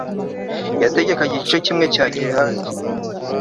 yategekaga igice kimwe cya gilihadi